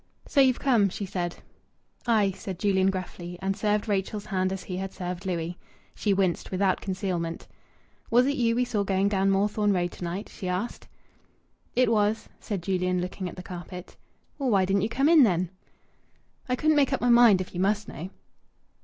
"So you've come," she said. "Aye!" said Julian gruffly, and served Rachel's hand as he had served Louis'. She winced without concealment. "Was it you we saw going down Moorthorne Road to night?" she asked. "It was," said Julian, looking at the carpet. "Well, why didn't you come in then?" "I couldn't make up my mind, if you must know."